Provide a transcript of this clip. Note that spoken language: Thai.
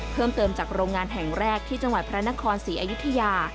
เพิ่มเติมจากโรงงานแห่งแรกที่จังหวัดพระนครศรีอยุธยา